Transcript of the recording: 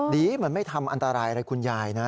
ดีมันไม่ทำอันตรายอะไรคุณยายนะ